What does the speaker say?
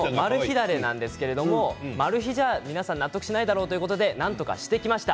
だれなんですけれどマル秘じゃ皆さん納得しないだろうということでなんとかしてきました。